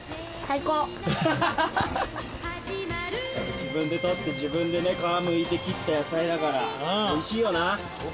自分で採って自分でね皮むいて切った野菜だからおいしいよな。